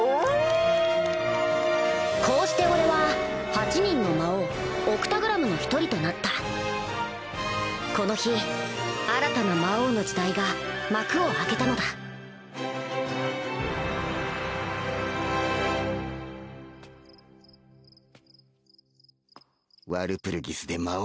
こうして俺は８人の魔王オクタグラムの一人となったこの日新たな魔王の時代が幕を開けたのだワルプルギスで魔王